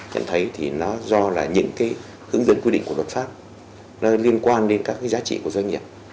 nhận thấy do những hướng dẫn quy định của luật pháp liên quan đến các giá trị của doanh nghiệp